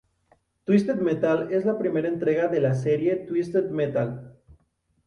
Twisted Metal es la primera entrega de la serie Twisted Metal.